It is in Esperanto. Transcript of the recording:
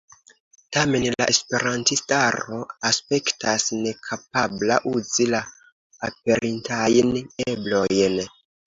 Tamen, la Esperantistaro aspektas nekapabla uzi la aperintajn eblojn.